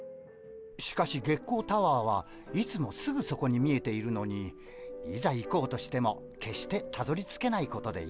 しかし月光タワーはいつもすぐそこに見えているのにいざ行こうとしても決してたどりつけないことで有名です。